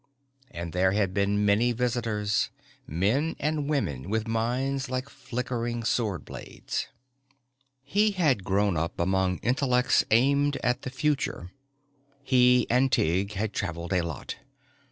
And there had been many visitors men and women with minds like flickering sword blades. He had grown up among intellects aimed at the future. He and Tighe had traveled a lot.